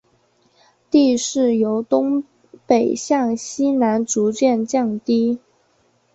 地势由东北向西南逐渐降低。